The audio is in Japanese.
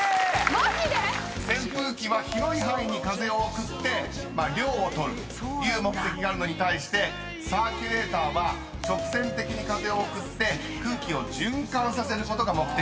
マジで⁉［扇風機は広い範囲に風を送って涼をとるという目的があるのに対してサーキュレーターは直線的に風を送って空気を循環させることが目的］